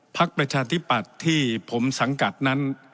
ประชาธิปัตย์ที่ผมสังกัดนั้น